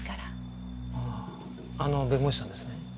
あああの弁護士さんですね。